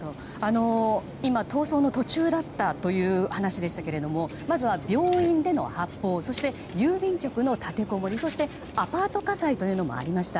今、逃走の途中だったという話でしたがまずは、病院での発砲そして、郵便局の立てこもりそしてアパート火災というのもありました。